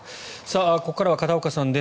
ここからは片岡さんです。